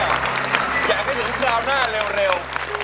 เนี่ยแหละอยากให้รู้คราวหน้าเร็ว